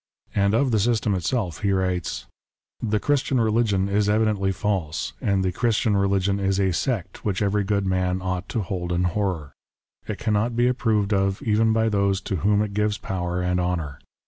And of the system itself he writes :" The Christian religion is evidently false, the Christian religion is a sect which every good man ought to hold in horror. It cannot be approved of even by those to whom it gives power and honour."